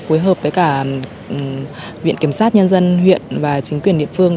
phối hợp với cả viện kiểm sát nhân dân huyện và chính quyền địa phương